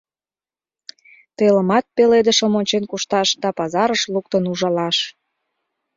Телымат пеледышым ончен кушташ да пазарыш луктын ужалаш.